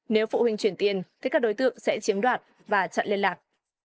nếu phụ huynh chuyển tiền thì các đối tượng sẽ chiếm đoạt và chặn liên lạc